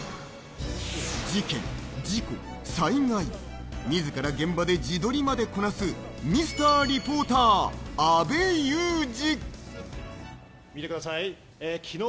事件、事故、災害、自ら現場で自撮りまでこなすミスターリポーター・阿部祐二。